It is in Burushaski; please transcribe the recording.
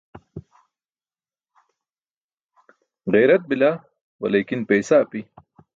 Ġayrat bila, waliikin paysa api.